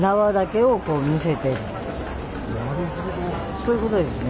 そういう事ですね。